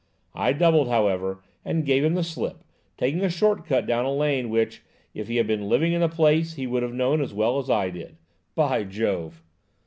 I doubled, however, and gave him the slip, taking a short cut down a lane which, if he had been living in the place, he would have known as well as I did. By Jove!"